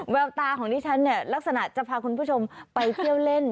แววตาของดิฉันเนี่ยลักษณะจะพาคุณผู้ชมไปเที่ยวเล่น